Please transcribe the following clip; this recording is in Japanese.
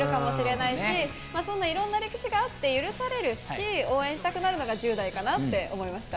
そんないろんな歴史があって許されるし応援したくなるのが１０代かなって思いました。